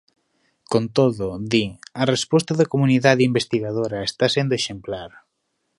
Con todo, di, a resposta da comunidade investigadora está sendo exemplar.